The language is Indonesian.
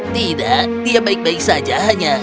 tidak dia baik baik saja hanya